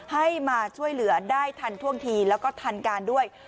ให้มาช่วยเหลือได้ทันท่วงทีแล้วก็ทันการด้วย